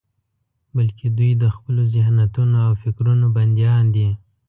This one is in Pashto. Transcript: بلکې دوی د خپلو ذهنيتونو او فکرونو بندیان دي.